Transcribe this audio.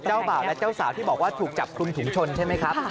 บ่าวและเจ้าสาวที่บอกว่าถูกจับคุมถุงชนใช่ไหมครับ